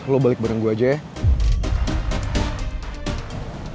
lo balik bareng gue aja ya